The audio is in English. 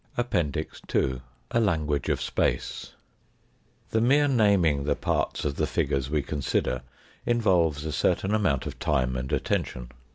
APPENDIX II A LANGUAGE OP SPACE THE mere naming the parts of the figures we con Rider involves a certain amount of time and attention.